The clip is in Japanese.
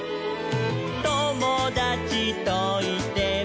「ともだちといても」